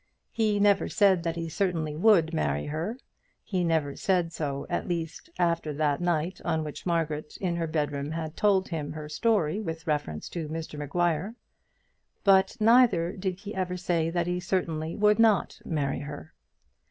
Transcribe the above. He never said that he certainly would marry her; he never said so at least after that night on which Margaret in her bedroom had told him her story with reference to Mr Maguire; but neither did he ever say that he certainly would not marry her.